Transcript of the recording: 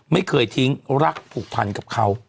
ไม่เคยทิ้งรักผูกพันกับเขา